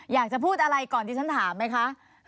อยากจะพูดอะไรก่อนที่ฉันถามไหมคะ